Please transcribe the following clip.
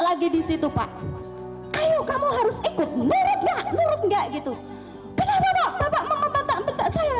lagi di situ pak ayo kamu harus ikut menurut nggak menurut nggak gitu kenapa bapak bapak